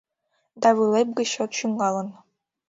Да вуйлеп гыч чот чӱҥгалын.